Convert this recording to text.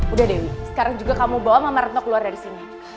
udah dewi sekarang juga kamu bawa mama retno keluar dari sini